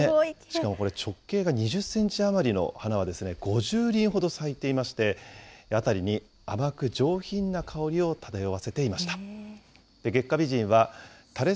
しかもこれ、直径が２０センチ余りの花は５０輪ほど咲いていまして、辺りに甘く上品な香りを漂わせていました。